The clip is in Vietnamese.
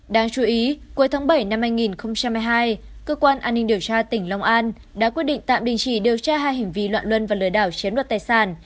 đáng chú ý cuối tháng bảy năm hai nghìn hai mươi hai cơ quan an ninh điều tra tỉnh long an đã quyết định tạm đình chỉ điều tra hai hình vi loạn luân và lừa đảo chiếm đoạt tài sản